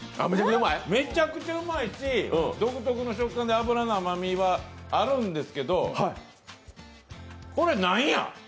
めちゃくちゃうまいし、独特の食感で脂の甘みはあるんですけど、これ、何や？